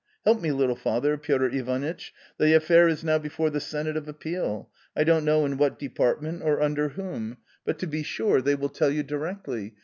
Help me, little father, Piotr Ivanitch ; the affair is now before the Senate of Appeal, I don't know in what department, or under whom ; but to be sure they will 28 A COMMON STORY tell you directly.